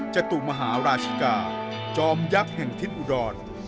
จตุมหาราชิกาจอมยักษ์แห่งทิศอุดร